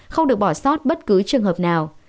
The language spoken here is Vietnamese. không được bỏ sót bất cứ trường hợp nào